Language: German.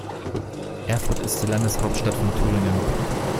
Erfurt ist die Landeshauptstadt von Thüringen.